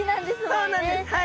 そうなんですはい。